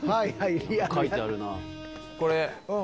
書いてあるなぁ。